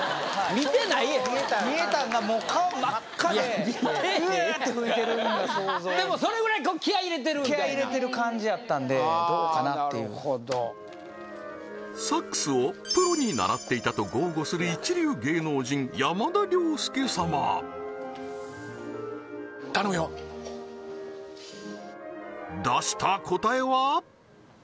見てないやんか見えたんがもう顔真っ赤でうーって吹いてるのが想像でもそれぐらい気合い入れてる感じやったんでどうかなっていうなるほどサックスをプロに習っていたと豪語する頼むよ出した答えは？